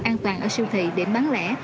an toàn ở siêu thị để bán lẻ